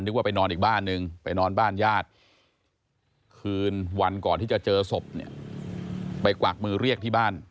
ว่าไปนอนอีกบ้านนึงไปนอนบ้านญาติคืนวันก่อนที่จะเจอศพเนี่ยไปกวักมือเรียกที่บ้าน